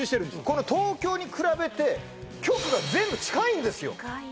この東京に比べて近いんですよ